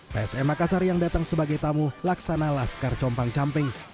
psm makassar yang datang sebagai tamu laksana laskar compang camping